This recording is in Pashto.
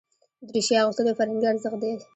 دریشي اغوستل یو فرهنګي ارزښت دی.